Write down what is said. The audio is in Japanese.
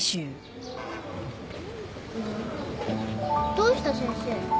どうした先生。